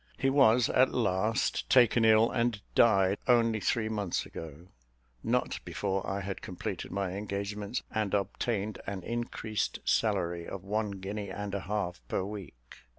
He was, at last, taken ill, and died, only three months ago, not before I had completed my engagements, and obtained an increased salary of one guinea and a half per week.